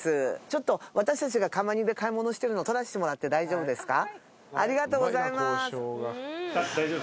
ちょっと私たちがカマニで買い物してるの撮らせてもらって大丈夫ですか？